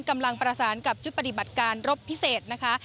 กำลังประสานกับชุดปฏิบัติการรบพิเศษนะคะ